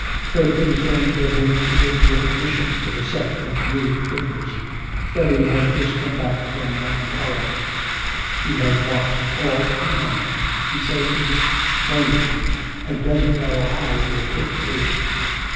Herbert is going to get him to give me a commission for a set of nude figures. Freddy has just come back from Monte Carlo. He has lost all his money.... He says he's "stony" and doesn't know how he'll pull through.'